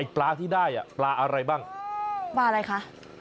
ปลาที่ได้ปลาอะไรบ้างปลาอะไรคะ